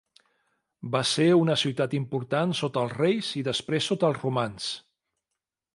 Va ser una ciutat important sota els reis i després sota els romans.